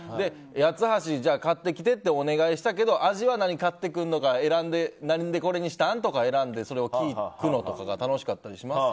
八ツ橋、買ってきてってお願いしたけど味は何買ってくるのか選んで、何でこれにしたん？とかそれを聞くのとかが楽しかったりします。